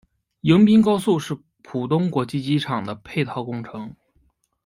迎宾高速是浦东国际机场的配套工程。